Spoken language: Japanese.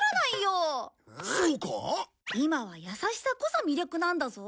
今は優しさこそ魅力なんだぞ。